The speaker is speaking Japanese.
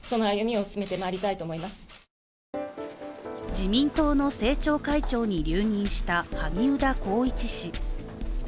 自民党の政調会長に留任した萩生田光一氏。